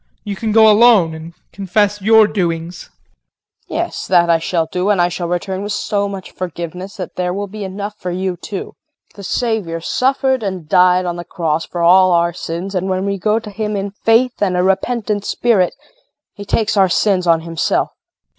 You can go alone and confess your doings. KRISTIN. Yes, that I shall do, and I shall return with so much forgiveness that there will be enough for you too. The Savior suffered and died on the cross for all our sins, and when we go to Him in faith and a repentant spirit he takes our sins on Himself. JULIE.